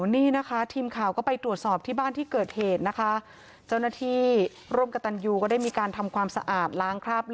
นี่นะคะทีมข่าวก็ไปตรวจสอบที่บ้านที่เกิดเหตุนะคะเจ้าหน้าที่ร่วมกับ